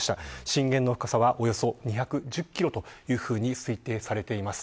震源の深さはおよそ２１０キロというふうに推定されています。